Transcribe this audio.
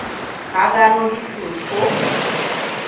Ka gano Bitrus, ko?